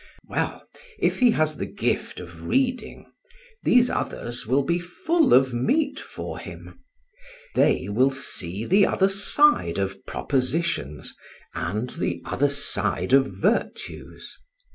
Well, if he has the gift of reading, these others will be full of meat for him. They will see the other side of propositions and the other side of virtues.